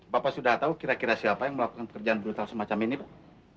bapak sudah tahu kira kira siapa yang melakukan pekerjaan brutal semacam ini pak